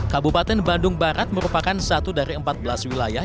kabupaten bandung barat merupakan satu dari empat belas wilayah